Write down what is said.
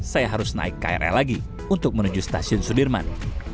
saya harus naik krl lagi untuk menuju stasiun sudirman